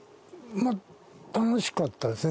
まっ楽しかったですね。